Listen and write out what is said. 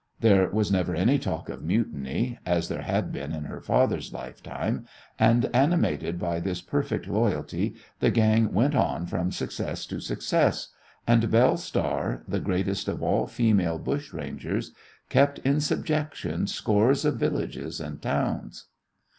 There was never any talk of mutiny, as there had been in her father's lifetime, and animated by this perfect loyalty the gang went on from success to success, and Belle Star, the greatest of all female bushrangers, kept in subjection scores of villages and towns.